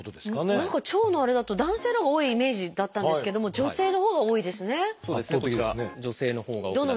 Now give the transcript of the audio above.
何か腸のあれだと男性のほうが多いイメージだったんですけども女性のほうが多いですね。